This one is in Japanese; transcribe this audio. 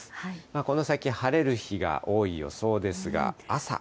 この先、晴れる日が多い予想です